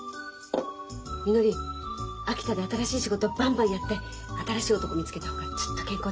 みのり秋田で新しい仕事バンバンやって新しい男見つけた方がずっと健康的だよ。